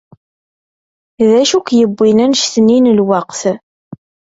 D acu k-yewwin annect-nni n lweqt?